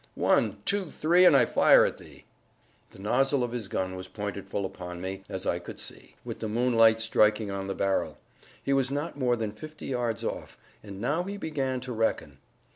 One, two, three and I fire at thee." The nozzle of his gun was pointed full upon me, as I could see, with the moonlight striking on the barrel; he was not more than fifty yards off, and now he began to reckon.